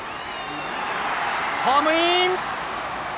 ホームイン！